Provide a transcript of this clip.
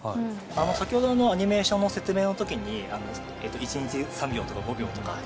先ほどのアニメーションの説明のときに１日３秒とか５秒とかって。